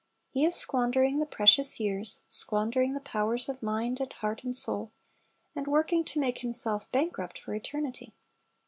He is squandering the precious years, squandering the powers of mind and heart and soul, and working to make himself bankrupt for eternity.